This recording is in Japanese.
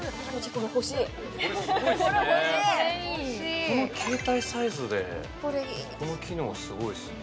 これいいこの携帯サイズでこの機能すごいっすね